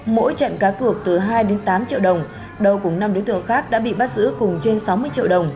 mỗi trận cá cược từ hai đến tám triệu đồng đầu cùng năm đối tượng khác đã bị bắt giữ cùng trên sáu mươi triệu đồng